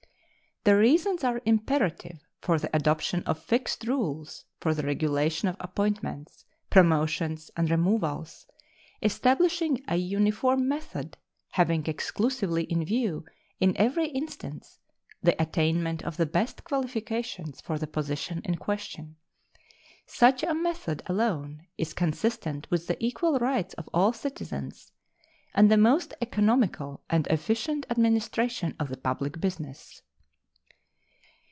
The reasons are imperative for the adoption of fixed rules for the regulation of appointments, promotions, and removals, establishing a uniform method having exclusively in view in every instance the attainment of the best qualifications for the position in question. Such a method alone is consistent with the equal rights of all citizens and the most economical and efficient administration of the public business.